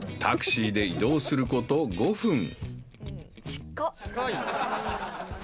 ［タクシーで移動すること５分］